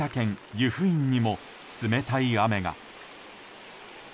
湯布院にも冷たい雨が。